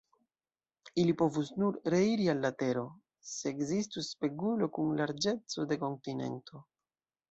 Ili povus nur reiri al la tero, se ekzistus spegulo kun larĝeco de kontinento".